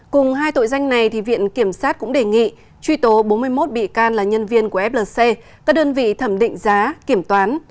cùng hai tội danh này viện kiểm sát cũng đề nghị truy tố bốn mươi một bị can là nhân viên của flc các đơn vị thẩm định giá kiểm toán